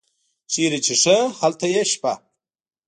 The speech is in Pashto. چیرته چې ښه هلته یې شپه.